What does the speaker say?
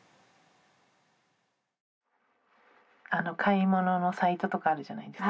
「買い物のサイトとかあるじゃないですか。